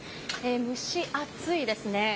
蒸し暑いですね。